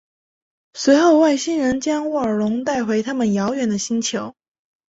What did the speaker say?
随后外星人将沃尔隆带回他们遥远的星球。